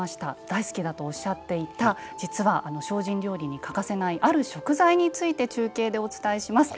大好きだとおっしゃっていた実は、精進料理に欠かせないある食材について中継でお伝えします。